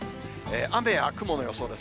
雨や雲の予想です。